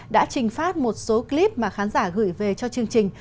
đã trình phát một số clip mà khán giả gửi về cho chương trình